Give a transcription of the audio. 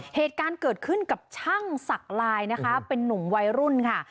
เหตุการณ์เกิดขึ้นกับช่างศักดิ์ลายนะคะเป็นนุ่มวัยรุ่นค่ะ